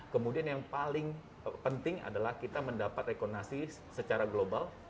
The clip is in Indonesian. kemudian yang paling penting adalah kita mendapat rekonasi secara global